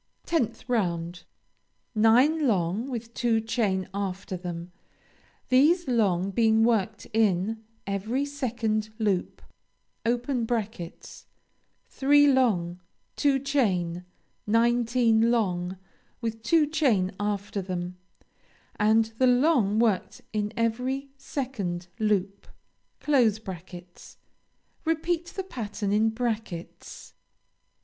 10th round Nine long with two chain after them, these long being worked in every second loop, (three long, two chain, nineteen long with two chain after them, and the long worked in every second loop); repeat the pattern in brackets.